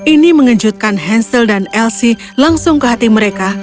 ini mengejutkan hansel dan elsie langsung ke hati mereka